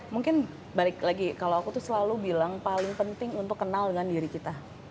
mungkin balik lagi kalau aku tuh selalu bilang paling penting untuk kenal dengan diri kita